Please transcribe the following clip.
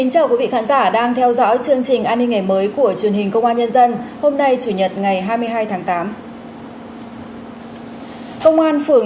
hãy đăng ký kênh để ủng hộ kênh của chúng mình nhé